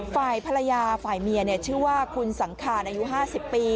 ฝ่ายภรรยาฝ่ายเมียชื่อว่าคุณสังคารอายุ๕๐ปี